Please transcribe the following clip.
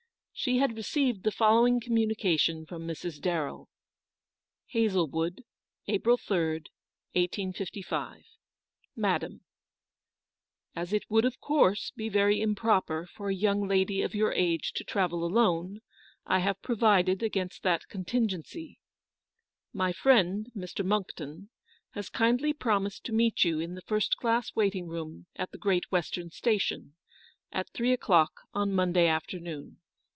She had received the following communication from Mrs. Darrell. " Hazlewood, April 3rd, 1855. " Madam, " As it would of course be very improper for a young lady of your age to travel alone, I have provided against that contingency. "My friend, Mr. Monckton, has kindly pro mised to meet you in the first class waiting room at the Great Western Station, at three o* clock on Monday afternoon.